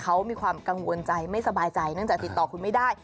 เขามีความกังวลใจไม่สบายใจเนื่องจากติดต่อคุณไม่ได้